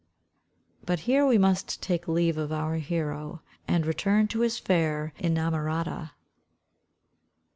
But here we must take leave of our hero, and return to his fair inamorata.